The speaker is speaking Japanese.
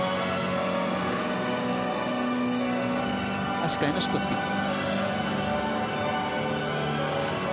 足換えのシットスピン。